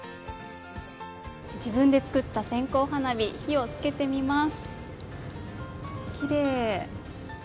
自分で作った線香花火、火をつけてみます。